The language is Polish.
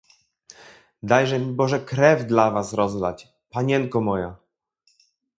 "Dajże mi Boże krew dla was rozlać, panienko moja!"